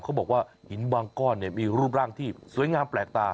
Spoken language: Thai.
เขาบอกว่าหินบางก้อนมีรูปร่างที่สวยงามแปลกตา